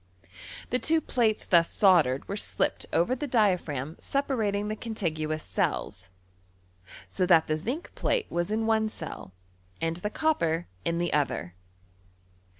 The two plates thus soldered w^e slipped over the diaphragm separating the contiguous cells, so that the zinc plate was in one c^l and the copper in the other.